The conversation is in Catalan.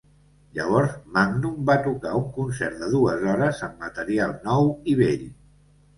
Llavors, Magnum va tocar un concert de dues hores amb material nou i vell.